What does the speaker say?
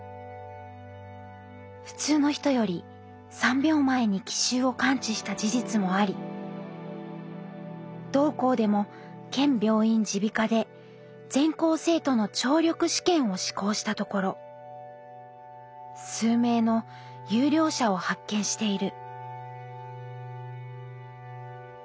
「普通の人より三秒前に機襲を感知した事実もあり同校でも県病院耳鼻科で全校生徒の聴力試験を施行したところ数名の優良者を発見している」。